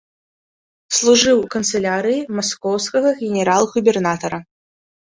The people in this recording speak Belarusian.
Служыў у канцылярыі маскоўскага генерал-губернатара.